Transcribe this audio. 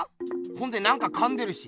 ほんで何かかんでるし。